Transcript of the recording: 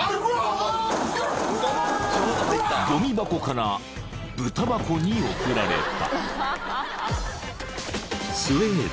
［ゴミ箱からブタ箱に送られた］